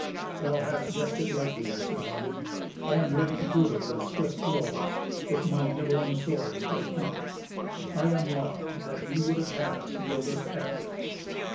"Thou hast guessed rightly," answered Hagen. "I am ready to prove it with swift blows, if my Nibelung sword break not. I am wroth that ye would have had us yield us captive."